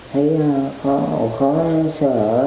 thấy khó sơ hở